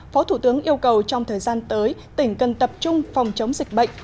phó thủ tướng yêu cầu trong thời gian tới tỉnh cần tập trung phòng chống dịch bệnh